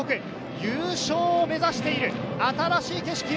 優勝を目指している、新しい景色を